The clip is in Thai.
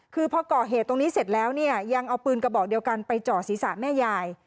คือพอก่อเหตุตรงนี้เสร็จแล้วเนี่ยยังเอาปืนกระบอกเดียวกันไปเจาะศีรษะแม่ยาย